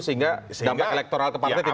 sehingga dampak elektoral ke partai tidak